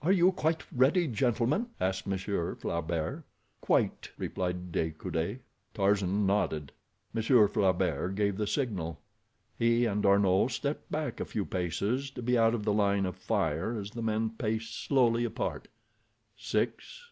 "Are you quite ready, gentlemen?" asked Monsieur Flaubert. "Quite," replied De Coude. Tarzan nodded. Monsieur Flaubert gave the signal. He and D'Arnot stepped back a few paces to be out of the line of fire as the men paced slowly apart. Six!